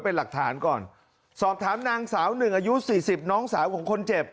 เป็นหลักฐานก่อนสอบถามนางสาว๑อายุ๔๐น้องสาวของคนเจ็บ